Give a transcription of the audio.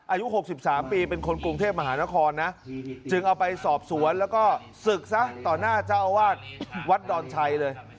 อายุ๖๓ปีเป็นคนกรุงเทพมหานครนะจึงเอาไปสอบสวนแล้วก็ศึกซะต่อหน้าเจ้าอาวาสวัดดอนชัยเลย